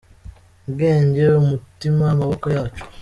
Ubwenge, umutima, amaboko yacu